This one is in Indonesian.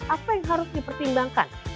apa yang harus dipertimbangkan